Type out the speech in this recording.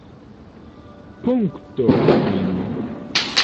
Punkto fino!